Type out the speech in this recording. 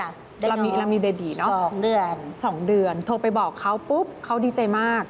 เรามีเบบีเนอะ๒เดือนโทรไปบอกเขาปุ๊บเขาดีใจมาก